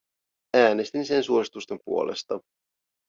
Äänestin sen suositusten puolesta.